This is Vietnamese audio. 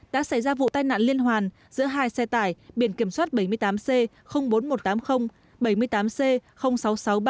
đã xảy ra vụ tai nạn liên hoàn giữa hai xe tải biển kiểm soát bảy mươi tám c bốn nghìn một trăm tám mươi bảy mươi tám c sáu nghìn sáu trăm ba mươi